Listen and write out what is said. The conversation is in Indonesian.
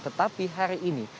tetapi hari ini